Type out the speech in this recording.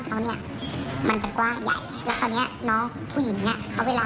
เพราะเหมือนพอพานหรือเปล่า